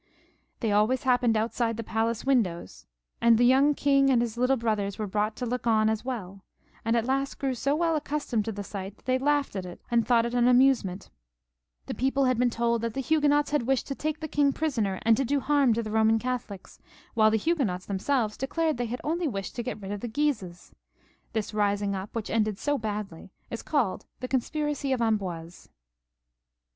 They always happened outside the palace windows, and the young king and his little brothers were brought to look on as well, and at last grew so well accustomed to the sight, that they laughed at it and thought it an amuse ment The people had been told that the Huguenots had wished to take the king prisoner and to do harm to the Eoman Catholics, while the Huguenots themselves declared they had only wished to get rid of the Guises. This rising up, which ended so badly, is called the Con spiracy of Amboise.